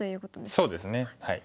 そうですね。